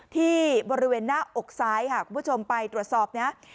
ที่บริเวณหน้าอกซ้ายค่ะคุณผู้ชมไปตรวจสอบนะ